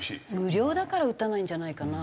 無料だから打たないんじゃないかな？